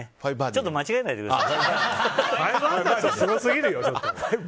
ちょっと間違えないでください。